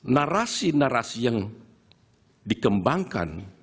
narasi narasi yang dikembangkan